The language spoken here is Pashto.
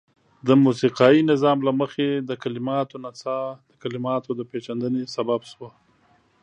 د موسيقايي نظام له مخې د کليماتو نڅاه د کليماتو د پيژندني سبب شوه.